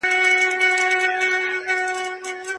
استاد وویل چي د څېړني اړیکي له ژبپوهني سره نژدې دي.